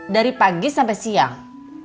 dari pagi sampai siang